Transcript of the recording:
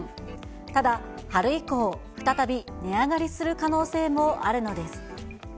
ただ、春以降、再び値上がりする可能性もあるのです。